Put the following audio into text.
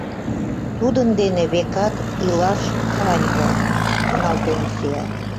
Тудын дене, векат, илаш каньыле», — шоналтен Эчеят.